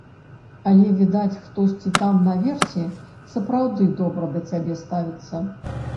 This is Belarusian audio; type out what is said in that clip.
Але, відаць, хтосьці там наверсе сапраўды добра да цябе ставіцца.